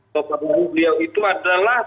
tokoh tokoh beliau itu adalah